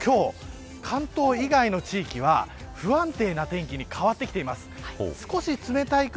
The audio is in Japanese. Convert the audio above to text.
そうすると今日関東以外の地域は不安定な天気に変わってきています。